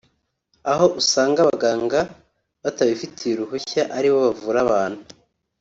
aho usanga abaganga batabifitiye uruhushya aribo bavura abantu